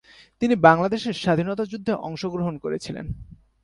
তিনি বাংলাদেশের স্বাধীনতা যুদ্ধে অংশগ্রহণ করেছিলেন।